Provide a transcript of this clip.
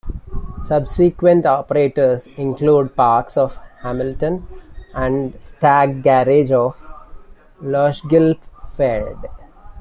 Subsequent operators included Parks of Hamilton and Stag Garage of Lochgilphead.